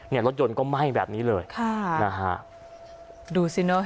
เนี่ยรถยนต์ก็ไหม้แบบนี้เลยค่ะนะฮะดูสิเนอะ